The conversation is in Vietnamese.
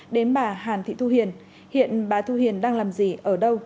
đến bà hán thị thu huyền hiện bà thu huyền đang làm gì ở đâu